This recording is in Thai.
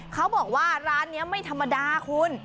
เขาบอกว่าร้านนี้ไม่ธรรมดาคุณ